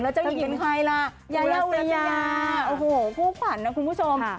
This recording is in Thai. แล้วเจ้าหญิงเป็นใครล่ะยาย่าอุลยาผู้ขวัญนะคุณผู้ชม